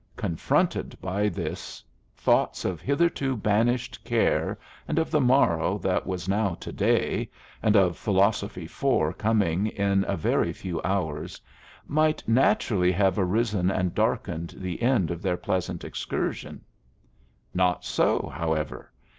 Confronted by this, thoughts of hitherto banished care, and of the morrow that was now to day, and of Philosophy 4 coming in a very few hours, might naturally have arisen and darkened the end of their pleasant excursion. Not so, however.